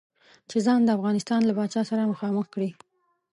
چې ځان د افغانستان له پاچا سره مخامخ کړي.